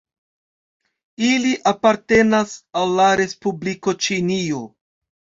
Ili apartenas al la Respubliko Ĉinio.